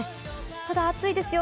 ただ暑いですよ。